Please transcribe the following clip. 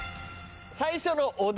最初のお題